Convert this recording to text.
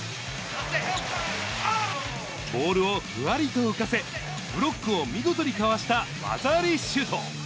ボールをふわりと浮かせ、ブロックを見事にかわした技ありシュート。